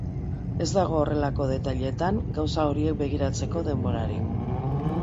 Ez dago horrelako detailetan, gauza horiek begiratzeko denhbborarik.